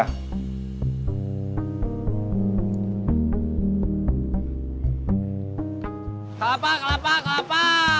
kelapa kelapa kelapa